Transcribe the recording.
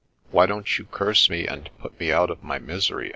" Why don't you airse me, and put me out of my misery?"